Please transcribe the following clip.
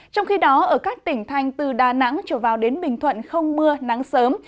trong khi đó ở các tỉnh thành từ đà nẵng trở vào đến bình thuận không mưa nắng sớm